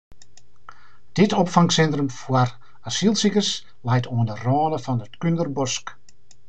Dit opfangsintrum foar asylsikers leit oan de râne fan it Kúnderbosk.